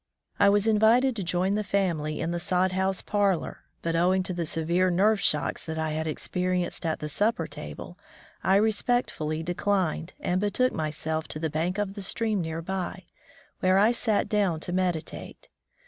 I was invited to join the family in the sod house parlor, but owing to the severe nerve shocks that I had experienced at the supper table, I respectfully declined, and betook myself to the bank of the stream near by, where I sat down to meditate.